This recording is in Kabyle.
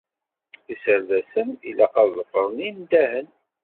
Iserdasen ilaq ad ḍefren indahen.